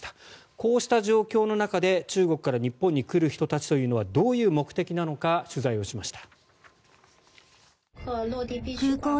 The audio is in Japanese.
こうした状況の中で、中国から日本に来る人たちというのはどういう目的なのか取材をしました。